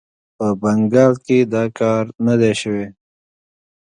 په بنګال کې دا کار نه دی سوی.